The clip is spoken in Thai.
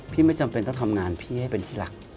ไม่จำเป็นต้องทำงานพี่ให้เป็นที่รัก